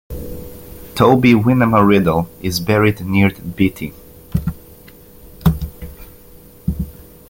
Toby "Winema" Riddle is buried near Beatty.